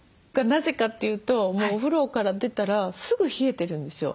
なぜかって言うともうお風呂から出たらすぐ冷えてるんですよ。